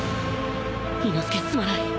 伊之助すまない